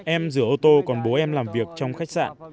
em rửa ô tô còn bố em làm việc trong khách sạn